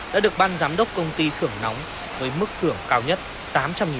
đã được ban giám đốc công ty thưởng nóng với mức thưởng cao nhất tám trăm linh đồng